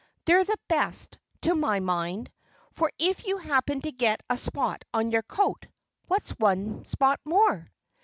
They're the best, to my mind. For if you happen to get a spot on your coat, what's one spot more?"